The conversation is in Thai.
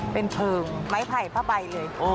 เป็นเพลิงไม้ไผ่ผ้าใบเลย